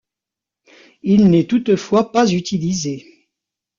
Il n'est toutefois pas utilisé.